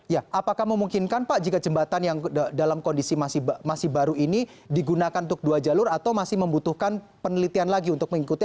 ya apakah memungkinkan pak jika jembatan yang dalam kondisi masih baru ini digunakan untuk dua jalur atau masih membutuhkan penelitian lagi untuk mengikuti